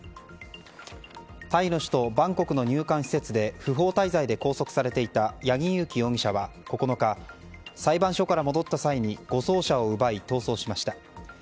タイの首都バンコクの入管施設で不法滞在で拘束されていた八木佑樹容疑者は９日、裁判所から戻った際に護送車を奪い逃走しました。